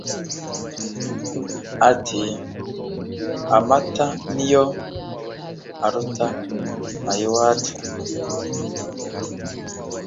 Ati: "Amata y'ino aruta ay'iwacu!